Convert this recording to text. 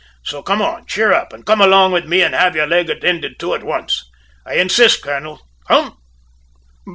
So come, cheer up, and come along with me and have your leg attended to at once. I insist, colonel; come."